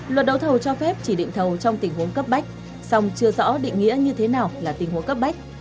luật đấu thầu cho phép chỉ định thầu trong tình huống cấp bách song chưa rõ định nghĩa như thế nào là tình huống cấp bách